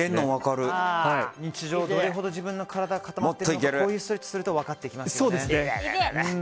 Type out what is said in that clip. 日常、どれほど自分の体が固まっているのかこういうストレッチをすると分かってきますよね。